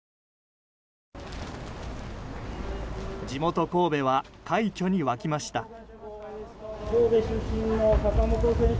地元・神戸は快挙に沸きました。